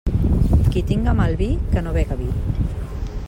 Qui tinga mal vi, que no bega vi.